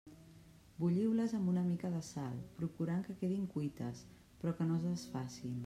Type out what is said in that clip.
Bulliu-les amb una mica de sal, procurant que quedin cuites, però que no es desfacin.